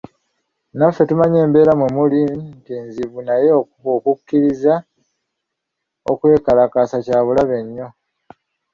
Naffe tumanyi embeera mwe muli nti nzibu naye okukkiriza okwekalakaasa kya bulabe nnyo.